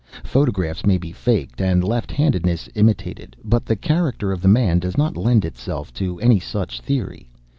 Photographs may be faked, and left handedness imitated. But the character of the man does not lend itself to any such theory.